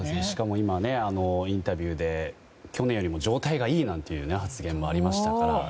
しかも今、インタビューで去年よりも状態がいいなんていう発言もありましたから。